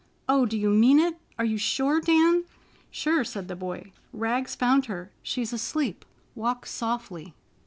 "Oh, do you mean it? Are you sure, Dan?" "Sure," said the boy. "Rags found her. She's asleep. Walk softly."